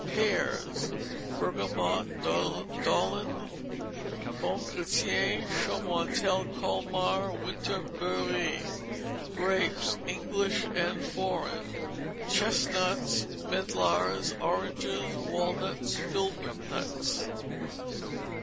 Pears: Bergamot d'Hollande, Bon Chrétien, Chaumontel, Colmar, winter beurré. Grapes: English and foreign. Chestnuts, medlars, oranges, walnuts, filbert nuts.